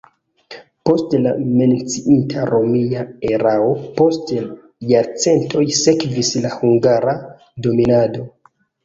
Post la menciita romia erao post jarcentoj sekvis la hungara dominado.